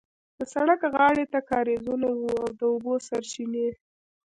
د سړک غاړې ته کارېزونه وو د اوبو سرچینې.